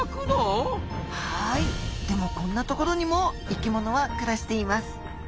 でもこんな所にも生きものは暮らしています。